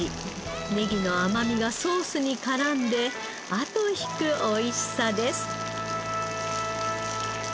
ネギの甘みがソースに絡んであと引く美味しさです。